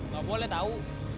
gak boleh tau